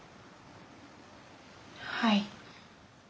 はい。